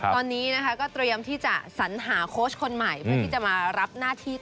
ตอนนี้นะคะก็เตรียมที่จะสัญหาโค้ชคนใหม่เพื่อที่จะมารับหน้าที่ต่อ